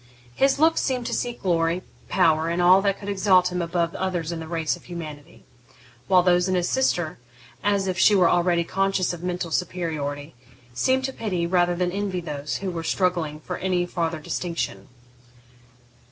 His looks seemed to seek glory, power, all that could exalt him above others in the race of humanity; while those of his sister, as if she were already conscious of mental superiority, seemed to pity, rather than envy, those who were struggling for any farther distinction.